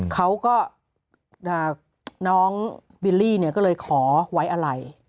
เขาก็น้องบิลลี่เนี่ยก็เลยขอไว้อะไร